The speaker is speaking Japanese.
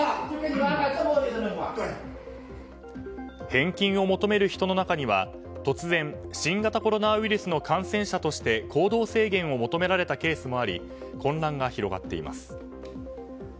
返金を求める人の中には突然、新型コロナウイルスの感染者として行動制限を求められたケースもあり混乱が広がっています。